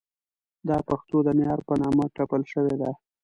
دا پښتو د معیار په نامه ټپل شوې ده.